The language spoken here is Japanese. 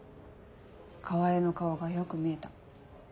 川合の顔がよく見えた。